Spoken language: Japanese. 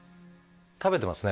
食べてますね